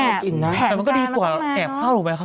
แต่มันก็ดีกว่าแอบข้าวหรือไม่